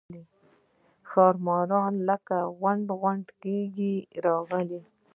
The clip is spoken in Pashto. ښامار لکه غونډی غونډی کېږي راغی.